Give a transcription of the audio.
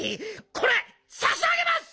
これさしあげます！